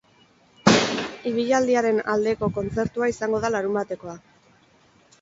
Ibilaldiaren aldeko kontzertua izango da larunbatekoa.